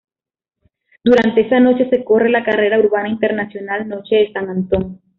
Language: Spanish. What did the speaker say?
Durante esa noche se corre la Carrera Urbana Internacional Noche de San Antón.